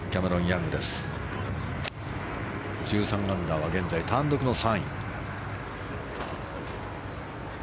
１３アンダーは現在単独の３位。